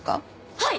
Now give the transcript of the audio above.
はい！